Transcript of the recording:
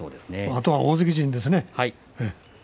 あとは大関陣ですね。